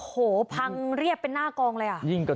โอ้โหพังเรียบเป็นหน้ากล่องเลยนะครับ